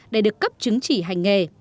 để được cấp chứng chỉ hành nghề